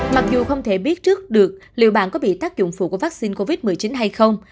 mặc dù không thể biết trước được liệu bạn có bị tác dụng phụ của vaccine covid một mươi chín hay không